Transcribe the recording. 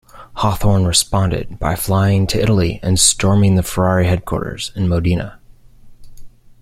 Hawthorn responded by flying to Italy and storming the Ferrari headquarters in Modena.